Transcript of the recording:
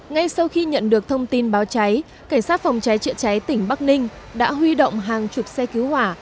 ngay sau khi nhận được thông tin báo cháy cảnh sát phòng cháy chữa cháy tỉnh bắc ninh đã huy động hàng chục xe cứu hỏa